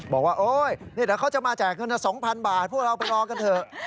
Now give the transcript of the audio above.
บอกว่าโอ๊ยนี่เดี๋ยวเขาจะมาแจกเงิน๒๐๐๐บาทพวกเราไปรอกันเถอะ